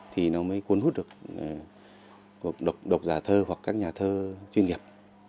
thì nó mới cuốn hút được độc giả thơ hoặc các nhà thơ chuyên nghiệp